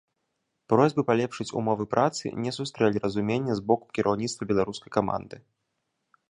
Просьбы палепшыць умовы працы не сустрэлі разумення з боку кіраўніцтва беларускай каманды.